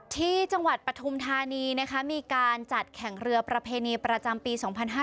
ปฐุมธานีนะคะมีการจัดแข่งเรือประเพณีประจำปี๒๕๕๙